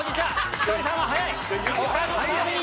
ひとりさんは早い！